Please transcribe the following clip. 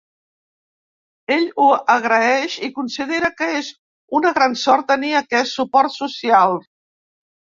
Ell ho agraeix i considera que és una gran sort tenir aquest suport social.